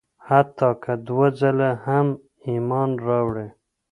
حتی که دوه ځله هم ایمان راوړي.